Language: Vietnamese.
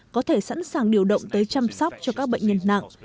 có thể sẵn sàng điều động tới chăm sóc cho các bệnh nhân nặng